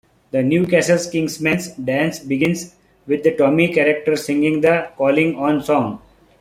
The Newcastle Kingsmen's dance begins with the Tommy character singing the "Calling On Song".